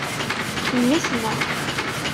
Mmi-tneɣ.